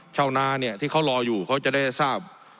ชาวนาเนี่ยที่เขารออยู่เขาจะได้ทราบ